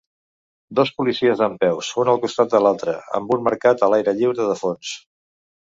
Dos policies dempeus un al costat de l'altre amb un mercat a l'aire lliure de fons.